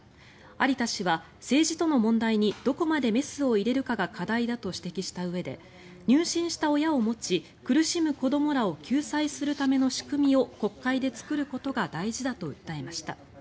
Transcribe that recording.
有田氏は政治との問題にどこまでメスを入れるかが課題だと指摘したうえで入信した親を持ち苦しむ子どもらを救済するための仕組みを国会で作ることが大事だと訴えました。